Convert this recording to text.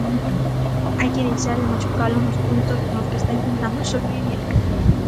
Hai que deixar de machucalo nos puntos nos que está intentando sobrevivir.